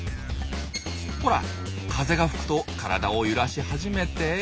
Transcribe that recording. ほら風が吹くと体を揺らし始めて。